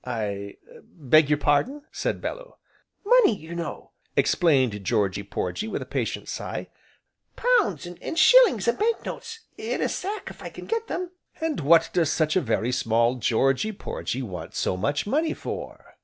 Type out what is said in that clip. "I er beg your pardon ?" said Bellew. "Money, you know," explained Georgy Porgy with a patient sigh, "pounds, an' shillings, an' bank notes in a sack if I can get them." "And what does such a very small Georgy Porgy want so much money for?"